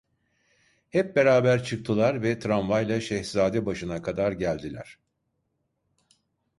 Hep beraber çıktılar ve tramvayla Şehzadebaşı’na kadar geldiler.